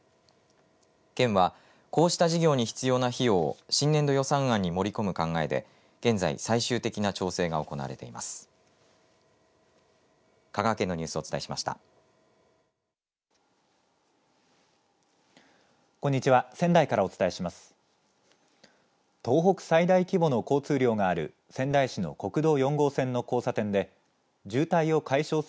県はこうした事業に必要な費用を新年度予算案に盛り込む考えで現在、最終的な調整が行われています。